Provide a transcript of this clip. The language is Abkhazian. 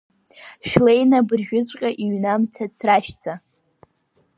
Шәлеины абыржәыҵәҟьа иҩны амца ацрашәҵа!